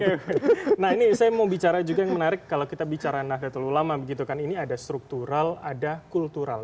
oke oke nah ini saya mau bicara juga yang menarik kalau kita bicara dah terlalu lama ini ada struktural ada kultural